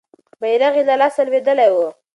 بیرغ یې له لاسه لوېدلی وو.